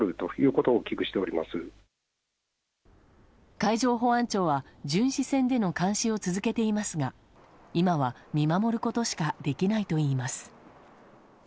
海上保安庁は巡視船での監視を続けていますが今は見守ることしかできないといいます。